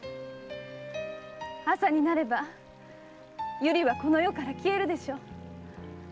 朝になれば百合はこの世から消えるでしょう。